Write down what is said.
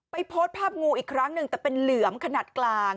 โพสต์ภาพงูอีกครั้งหนึ่งแต่เป็นเหลือมขนาดกลาง